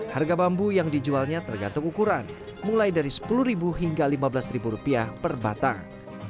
harga bambu yang dijualnya tergantung ukuran mulai dari rp sepuluh hingga rp lima belas rupiah per batang